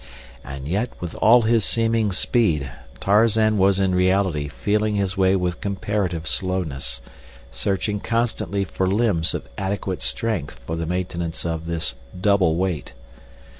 And yet with all his seeming speed, Tarzan was in reality feeling his way with comparative slowness, searching constantly for limbs of adequate strength for the maintenance of this double weight.